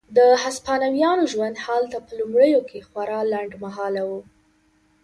د هسپانویانو ژوند هلته په لومړیو کې خورا لنډ مهاله و.